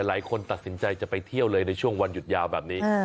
หลายคนตัดสินใจจะไปเที่ยวเลยในช่วงวันหยุดยาวแบบนี้